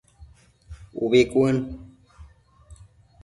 Ubi cuën